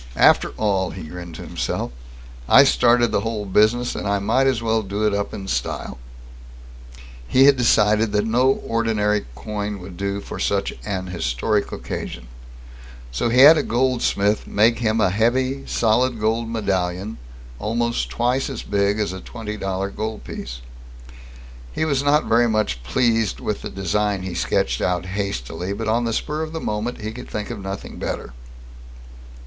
After all, he grinned to himself, I started the whole business, and I might as well do it up in style. He had decided that no ordinary coin would do for such an historic occasion. So he had a goldsmith make him a heavy solid gold medallion almost twice as big as a twenty dollar gold piece. He was not very much pleased with the design he sketched out hastily, but on the spur of the moment, he could think of nothing better.